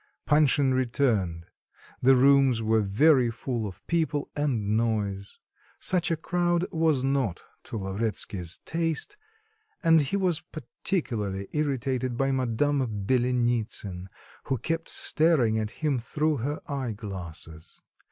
Panshin returned; the rooms were very full of people and noise. Such a crowd was not to Lavretsky's taste; and he was particularly irritated by Madame Byelenitsin, who kept staring at him through her eye glasses.